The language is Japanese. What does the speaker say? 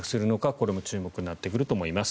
これも注目になってくると思います。